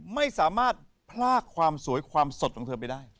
ไม่สามารถพลากความสวยความสดของเธอไปได้